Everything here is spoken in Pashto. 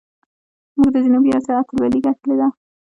موږ د جنوبي آسیا اتلولي ګټلې ده.